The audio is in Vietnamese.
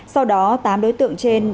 sau đó tám đối tượng trên